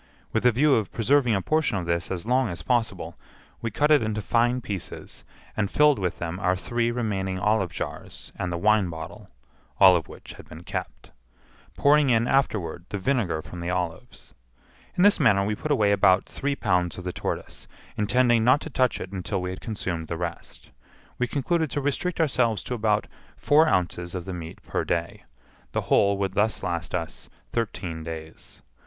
With a view of preserving a portion of this as long as possible, we cut it into fine pieces, and filled with them our three remaining olive jars and the wine bottle (all of which had been kept), pouring in afterward the vinegar from the olives. In this manner we put away about three pounds of the tortoise, intending not to touch it until we had consumed the rest. We concluded to restrict ourselves to about four ounces of the meat per day; the whole would thus last us thirteen days.